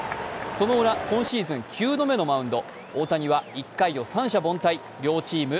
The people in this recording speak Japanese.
そのウラ、今シーズン９度目のマウンド。